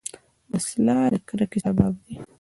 وسله د کرکې سبب ده